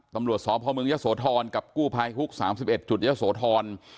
ตำรวจสพเมืองยะโสธรกับกู้ภัยฮุก๓๑จุดเยอะโสธร